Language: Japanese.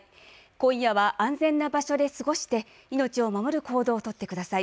今夜は安全な場所で過ごして命を守る行動を取ってください。